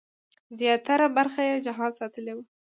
زیاتره برخه یې جهاد ساتلې وه.